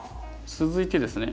続いてですね。